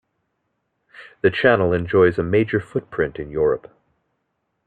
The channel enjoys a major footprint in Europe.